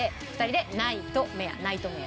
２人でナイとメアナイトメア。